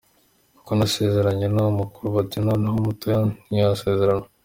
Kuko nasezeranye n’uwo mukuru bati ‘noneho umutoya ntiyasezerana.